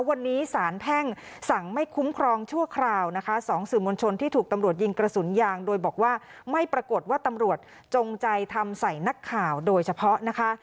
วันนี้สารแพ่งสั่งไม่คุ้มครองชั่วคราวนะคะสองสื่อมวลชนที่ถูกตำรวจยิงกระสุนยางโดยบอกว่าไม่ปรากฏว่าตำรวจจงใจทำใส่นักข่าวโดยเฉพาะนะคะ